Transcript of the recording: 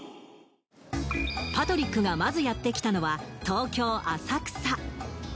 パトリックがまずやってきたのは東京、浅草。